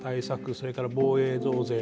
それから防衛増税